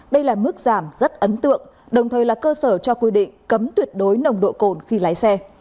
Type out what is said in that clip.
đây là mức giảm rất ấn tượng đồng thời là cơ sở cho quy định cấm tuyệt đối nồng độ cồn khi lái xe